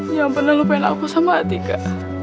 yang pernah lupain aku sama atika